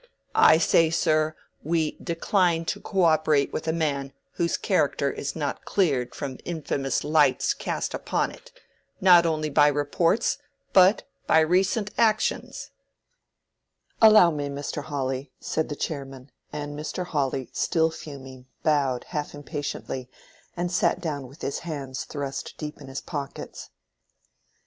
I say, sir, we decline to co operate with a man whose character is not cleared from infamous lights cast upon it, not only by reports but by recent actions." "Allow me, Mr. Hawley," said the chairman; and Mr. Hawley, still fuming, bowed half impatiently, and sat down with his hands thrust deep in his pockets. "Mr.